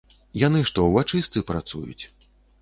Яны што, у ачыстцы працуюць?